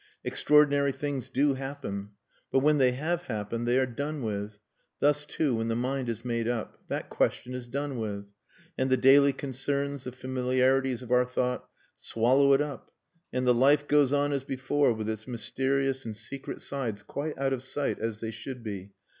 Extraordinary things do happen. But when they have happened they are done with. Thus, too, when the mind is made up. That question is done with. And the daily concerns, the familiarities of our thought swallow it up and the life goes on as before with its mysterious and secret sides quite out of sight, as they should be.